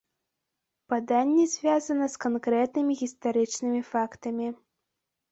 Паданне звязана з канкрэтнымі гістарычнымі фактамі.